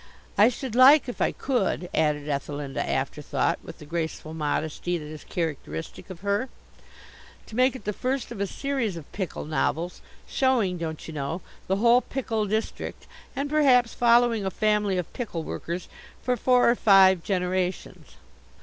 I should like, if I could," added Ethelinda Afterthought, with the graceful modesty that is characteristic of her, "to make it the first of a series of pickle novels, showing, don't you know, the whole pickle district, and perhaps following a family of pickle workers for four or five generations."